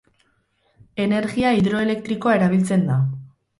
Energia hidroelektrikoa erabiltzen da.